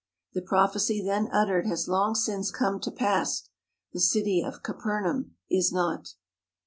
The prophecy then uttered has long since come to pass. The city of Capernaum is not.